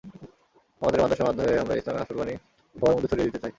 আমাদের মাদ্রাসার মাধ্যমে আমরা ইসলামে আসল বাণী সবার মধ্যে ছড়িয়ে দিতে চাই।